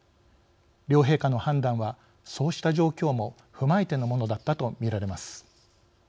両陛下の判断はそうした状況も踏まえてのものだったと見られます。